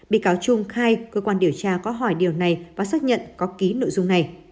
bị cáo trung khai cơ quan điều tra có hỏi điều này và xác nhận có ký nội dung này